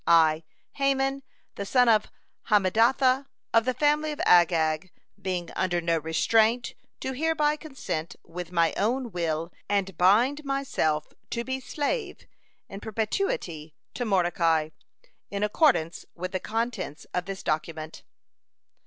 I, Haman, the son of Hammedatha of the family of Agag, being under no restraint, do hereby consent with my own will, and bind myself to be slave in perpetuity to Mordecai, in accordance with the contents of this document."